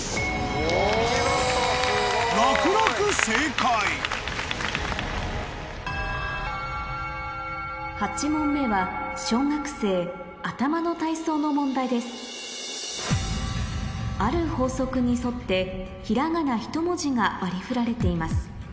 楽々正解８問目は小学生の問題ですある法則に沿ってひらがなひと文字が割り振られています